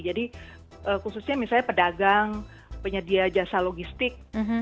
jadi khususnya misalnya pedagang penyedia jasa logistik